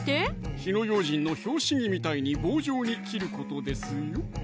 火の用心の拍子木みたいに棒状に切ることですよ